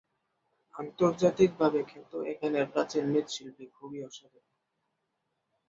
আন্তর্জাতিকভাবে খ্যাত এখানের প্রাচীন মৃৎশিল্প খুবই অসাধারণ।